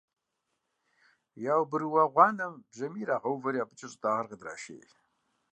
Яубрыуа гъуанэм бжьамий ирагъэувэри абыкӀэ щӀыдагъэр къыдрашей.